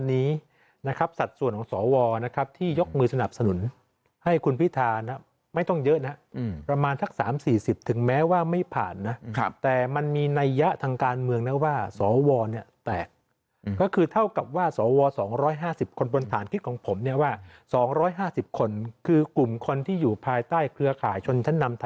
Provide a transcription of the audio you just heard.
นะครับสัตว์ส่วนของสอวรนะครับที่ยกมือสนับสนุนให้คุณพิธานฮะไม่ต้องเยอะนะฮะอืมประมาณทั้งสามสี่สิบถึงแม้ว่าไม่ผ่านนะครับแต่มันมีในยะทางการเมืองนะว่าสอวรเนี้ยแตกอืมก็คือเท่ากับว่าสอวรสองร้อยห้าสิบคนบนฐานคิดของผมเนี้ยว่าสองร้อยห้าสิบคนคือกลุ่มคนที่อยู่ภายใต้เครือข่ายชน